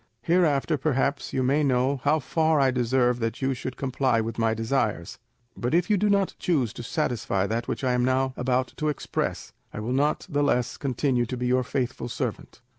Hereafter perhaps you may know how far I deserve that you should comply with my desires; but if you do not choose to satisfy that which I am now about to express, I will not the less continue to be your faithful servant.